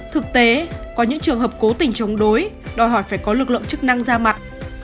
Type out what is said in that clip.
thực tế có những trường hợp cố tình chống đối đòi hỏi phải có lực lượng chức năng ra mặt